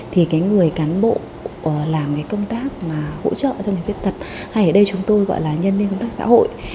thì cái người cán bộ làm cái công tác mà hỗ trợ cho người khuyết tật hay ở đây chúng tôi gọi là nhân viên công tác xã hội